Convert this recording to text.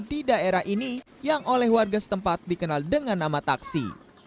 di daerah ini yang oleh warga setempat dikenal dengan nama taksi